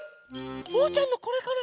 おうちゃんのこれかな？